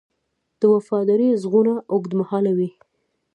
د وفادارۍ ږغونه اوږدمهاله وي.